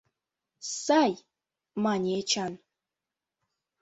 — Сай! — мане Эчан.